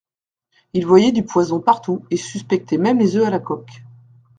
Il voyait du poison partout, et suspectait même les œufs à la coque.